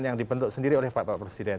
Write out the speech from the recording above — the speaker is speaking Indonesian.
yang dibentuk sendiri oleh pak presiden